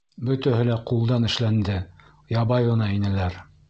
Бөтәһе лә ҡулдан эшләнде, ябай ғына инеләр.